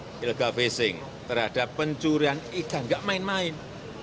terhadap illegal phasing terhadap pencurian ikan gak main main